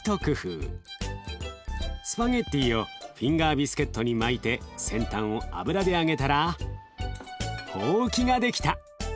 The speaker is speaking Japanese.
スパゲッティをフィンガービスケットに巻いて先端を油で揚げたらホウキが出来た。